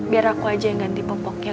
biar aku aja yang ganti popoknya